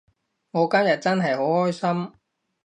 我今日真係好開心